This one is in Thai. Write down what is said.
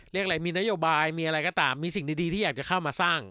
เรียกอะไรมีนโยบายมีอะไรก็ตามมีสิ่งดีที่อยากจะเข้ามาสร้าง